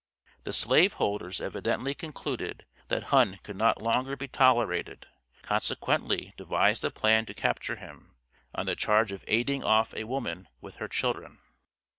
The slave holders evidently concluded that Hunn could not longer be tolerated, consequently devised a plan to capture him, on the charge of aiding off a woman with her children.